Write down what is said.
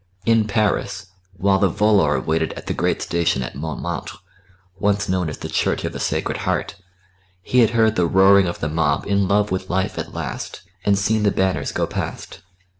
In Paris, while the volor waited at the great station at Montmartre, once known as the Church of the Sacred Heart, he had heard the roaring of the mob in love with life at last, and seen the banners go past.